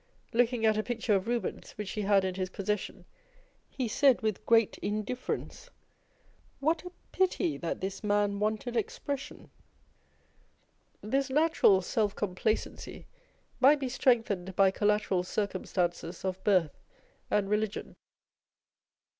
Looking at a picture of Rubens, which he had in his possession, he said with great indifference, " What a pity that this man wanted expression !" This natural self complacency might be strengthened by collateral circumstances of birth and religion.